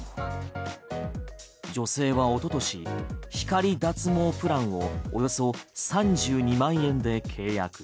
女性は一昨年光脱毛プランをおよそ３２万円で契約。